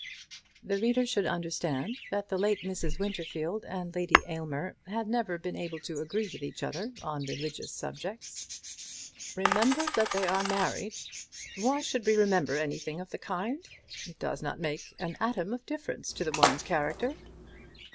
The reader should understand that the late Mrs. Winterfield and Lady Aylmer had never been able to agree with each other on religious subjects. "Remember that they are married. Why should we remember anything of the kind? It does not make an atom of difference to the woman's character.